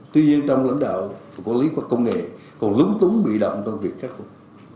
tuy nhiên trong lãnh đạo của quản lý quốc công nghệ còn lúng túng bị đậm trong việc khắc phục